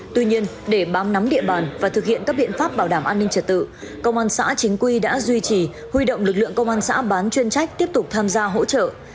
tuy nhiên để bám nắm địa bàn và thực hiện các biện pháp bảo đảm an ninh trật tự công an xã chính quy đã duy trì huy động lực lượng công an xã bán chuyên trách tiếp tục tham gia hỗ trợ